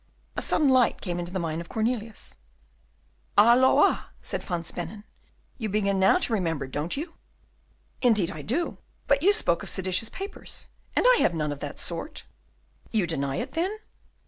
A sudden light came into the mind of Cornelius. "Halloa!" said Van Spennen, "you begin now to remember, don't you?" "Indeed I do, but you spoke of seditious papers, and I have none of that sort." "You deny it then?"